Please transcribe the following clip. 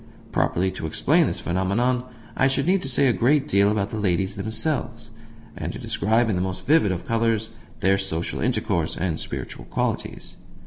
Properly to explain this phenomenon I should need to say a great deal about the ladies themselves, and to describe in the most vivid of colours their social intercourse and spiritual qualities.